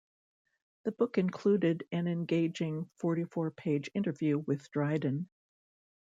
The book included an engaging forty-four-page interview with Dryden.